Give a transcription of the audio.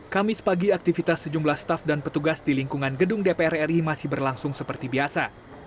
kamis pagi aktivitas sejumlah staf dan petugas di lingkungan gedung dpr ri masih berlangsung seperti biasa